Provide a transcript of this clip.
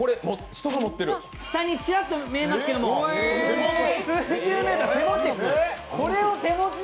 下にちらっと見えますけども、手持ち。